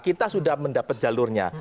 kita sudah mendapat jalurnya